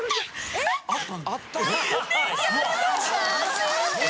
すいません。